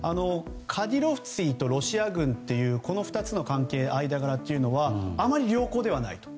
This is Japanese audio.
カディロフツィとロシア軍というこの２つの関係、間柄はあまり良好ではないと。